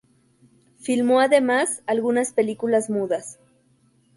Filmó además algunas películas mudas.